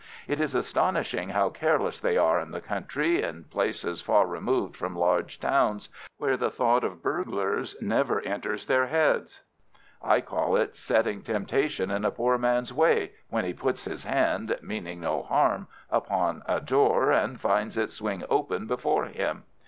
It is astonishing how careless they are in the country, in places far removed from large towns, where the thought of burglars never enters their heads. I call it setting temptation in a poor man's way when he puts his hand, meaning no harm, upon a door, and finds it swing open before him.